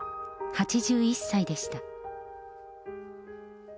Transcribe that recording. ８１歳でした。